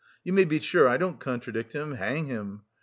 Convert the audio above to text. You may be sure I don't contradict him, hang him!